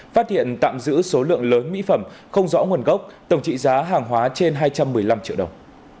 phát hiện tạm giữ số lượng lớn mỹ phẩm không rõ nguồn gốc tổng trị giá hàng hóa trên hai trăm một mươi năm triệu đồng